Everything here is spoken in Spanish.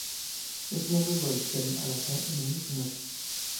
Este nombre lo eligieron al azar en un diccionario.